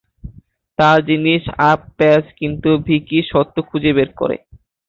তারা জিনিস আপ প্যাচ কিন্তু ভিকি সত্য খুঁজে বের করে।